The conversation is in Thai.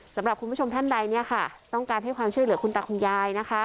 สำหรับคุณผู้ชมท่านใดเนี่ยค่ะต้องการให้ความช่วยเหลือคุณตาคุณยายนะคะ